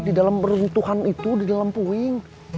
di dalam runtuhan itu di dalam puing